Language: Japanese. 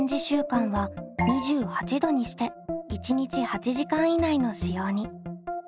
週間は２８℃にして１日８時間以内の使用に。